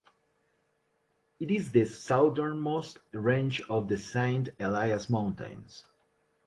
It is the southernmost range of the Saint Elias Mountains.